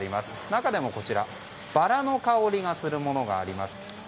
中でもバラの香りがするものがあります。